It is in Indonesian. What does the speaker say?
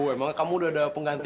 emang kamu udah ada pengganti